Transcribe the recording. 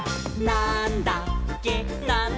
なんだっけ？！」